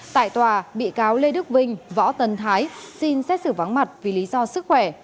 tại tòa bị cáo lê đức vinh võ tân thái xin xét xử vắng mặt vì lý do sức khỏe